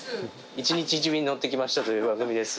『１日１便乗ってきました』という番組です。